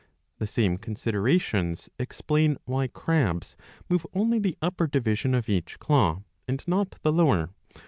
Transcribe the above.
The same considerations explain why crabs move only the upper division of each claw and not the lower.